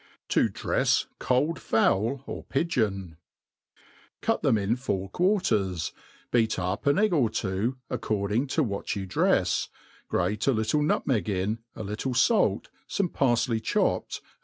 To drefi cold Fowl or Pigeon* CUT them in four quarters, beat up an egg or two, according to what you drefs, grate a little nutmeg in, a Ifttie falt^ fome parfley chopped, a.